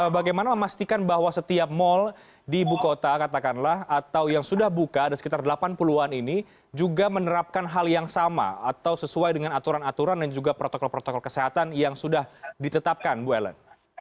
bagaimana memastikan bahwa setiap mal di ibu kota katakanlah atau yang sudah buka ada sekitar delapan puluh an ini juga menerapkan hal yang sama atau sesuai dengan aturan aturan dan juga protokol protokol kesehatan yang sudah ditetapkan bu ellen